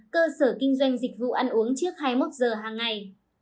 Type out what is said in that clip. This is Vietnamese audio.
cơ sở kinh doanh dịch vụ ăn uống trước hai mươi một giờ hàng ngày